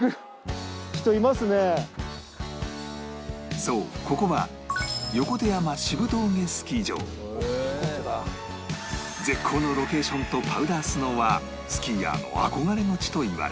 そうここは絶好のロケーションとパウダースノーはスキーヤーの憧れの地といわれ